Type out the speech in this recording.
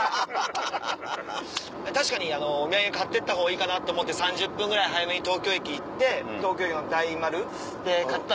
確かにお土産買ってった方がいいかなと思って３０分ぐらい早めに東京駅行って東京駅の大丸で買ったんです。